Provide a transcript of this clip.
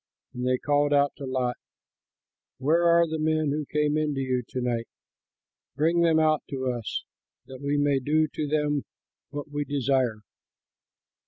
And they called out to Lot, "Where are the men who came in to you to night? Bring them out to us that we may do to them what we desire."